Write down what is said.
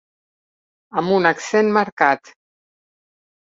Amb un accent marcat